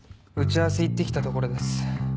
打ち合わせ行って来たところです。